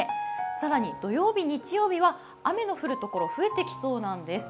更に土曜日、日曜日は雨の降る所増えてきそうなんです。